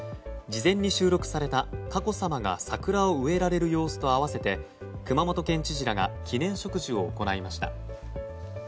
事前に収録された佳子さまが桜を植えられる様子と合わせて熊本県知事らが記念植樹を行いました。